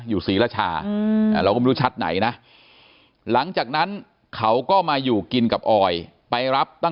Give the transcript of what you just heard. อยู่ศรีรชาเราก็ไม่รู้ชัดไหนนะ